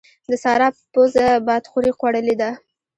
د سارا پزه بادخورې خوړلې ده.